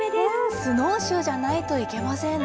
スノーシューじゃないと行けませんね。